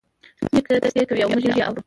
زموږ نیکه کیسې کوی او موږ یی اورو